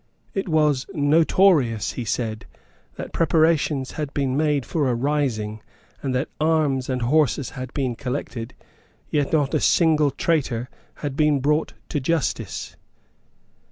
It was notorious, he said, that preparations had been made for a rising, and that arms and horses had been collected; yet not a single traitor had been brought to justice.